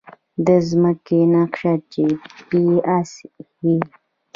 د ځمکې نقشه جی پي اس ښيي